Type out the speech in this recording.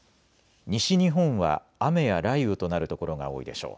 西日本は雨や雷雨となる所が多いでしょう。